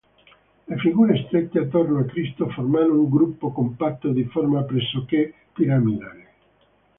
Le figure strette attorno a Cristo formano un gruppo compatto di forma pressoché piramidale.